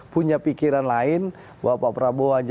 punya pikiran lain bahwa pak prabowo